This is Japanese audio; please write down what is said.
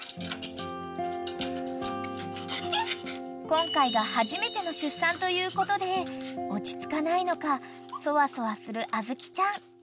［今回が初めての出産ということで落ち着かないのかそわそわする小豆ちゃん］